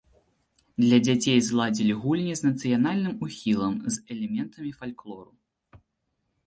Для дзяцей зладзілі гульні з нацыянальным ухілам, з элементамі фальклору.